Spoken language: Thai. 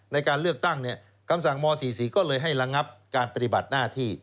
ในการเลือกตั้งคำสั่งม๔๔ก็เลยให้ระงับการปฏิบัติหน้าที่